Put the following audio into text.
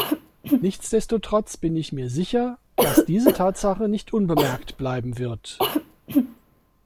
Nichtsdestotrotz bin ich mir sicher, dass diese Tatsache nicht unbemerkt bleiben wird.